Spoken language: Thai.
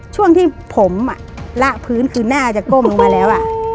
ช่วงที่ผมละพื้นคือหน้าจะก้มลงมาแล้ว